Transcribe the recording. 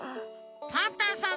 パンタンさん